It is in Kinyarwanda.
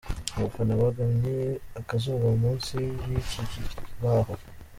Abafana bugamye akazuba munsi y’iki kibaho.